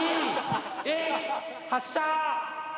発射。